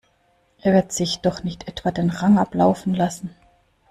Er wird sich doch nicht etwa den Rang ablaufen lassen?